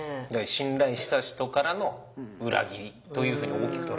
信頼した人からの裏切りというふうに大きく捉えると。